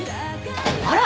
あら！